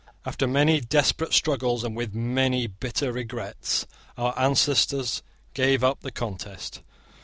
After many desperate struggles, and with many bitter regrets, our ancestors gave up the contest.